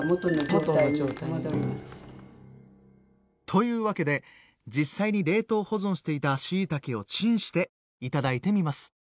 というわけで実際に冷凍保存していたしいたけをチンして頂いてみます。